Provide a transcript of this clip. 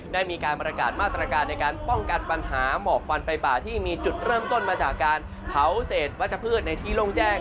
ได้มีการประกาศมาตรการในการป้องกันปัญหาหมอกควันไฟป่าที่มีจุดเริ่มต้นมาจากการเผาเศษวัชพืชในที่โล่งแจ้ง